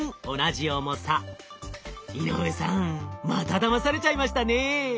井上さんまただまされちゃいましたね。